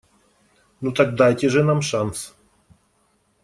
Ну так дайте же нам шанс.